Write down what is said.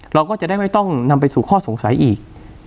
เราก็จะได้ไม่ต้องนำไปสู่ข้อสงสัยอีก